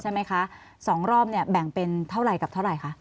ใช่ไหมคะ๒รอบเนี่ยแบ่งเป็นเท่าไหร่กับเท่าไหร่คะ